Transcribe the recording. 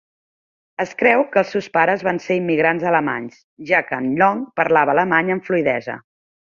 Es creu que els seus pares van ser immigrants alemanys, ja que en Long parlava alemany amb fluïdesa.